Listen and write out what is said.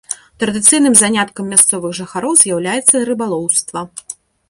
Традыцыйным заняткам мясцовых жыхароў з'яўляецца рыбалоўства.